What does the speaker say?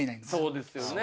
そうですよね。